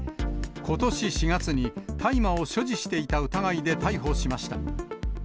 ことし４月に大麻を所持していた疑いで逮捕しました。